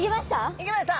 いけました！